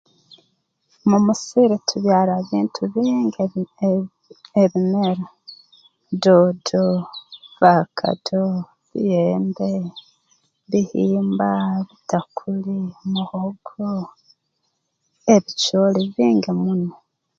Mu musiri tubyara ebintu bingi eb eb ebimera doodo vaakado miyembe bihimba bitakuli muhogo ebicooli bingi muno